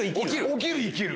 起きる生きる？